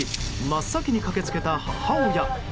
真っ先に駆け付けた母親。